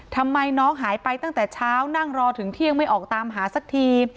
ทำไมน้องหายไปตั้งแต่เช้านั่งรอถึงเที่ยงไม่ออกตามหาสักที